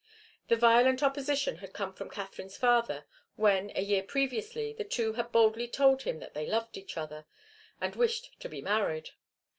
The violent opposition had come from Katharine's father when, a year previously, the two had boldly told him that they loved each other and wished to be married.